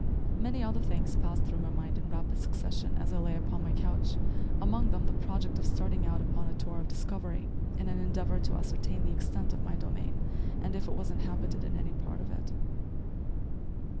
Many other things passed through my mind in rapid succession as I lay upon my couch, among them the project of starting out upon a tour of discovery in an endeavor to ascertain the extent of my domain, and if it was inhabited in any part of it.